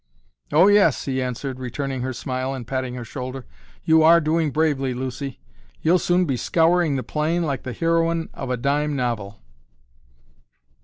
"Oh, yes," he answered, returning her smile and patting her shoulder; "you are doing bravely, Lucy. You'll soon be scouring the plain like the heroine of a dime novel."